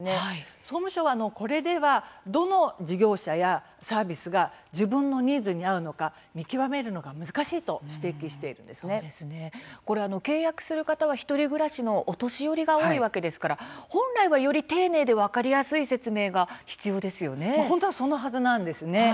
総務省はこれではどの事業者やサービスが自分のニーズに合うのか見極めるのが難しいと契約する方は１人暮らしのお年寄りが多いわけですから本来は、より丁寧で本当はそのはずですよね。